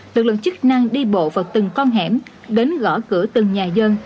lực lượng chức năng đi bộ vào từng con hẻm đến gõ cửa từng nhà dân